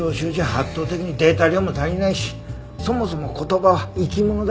圧倒的にデータ量も足りないしそもそも言葉は生き物だからね。